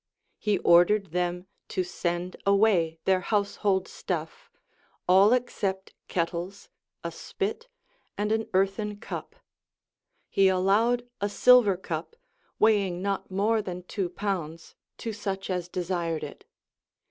He ordered them to send away their household stuff, all except kettles, a spit, and an earthen cup. He allowed a silver cup, weighing not more than two pounds, to such as desired it.